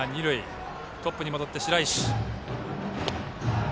打者はトップに戻って白石。